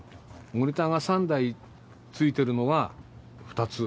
モニターが３台ついてるのは２つ。